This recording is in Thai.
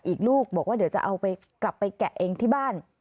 อีกลูกบอกว่าเดี๋ยวจะเอาไปกลับไปแกะเองที่บ้าน